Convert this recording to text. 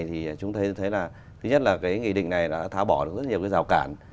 thì chúng ta thấy là thứ nhất là cái nghị định này đã tháo bỏ được rất nhiều cái rào cản